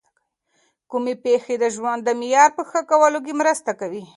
کومې پېښې د ژوند د معیار په ښه کولو کي مرسته کوي؟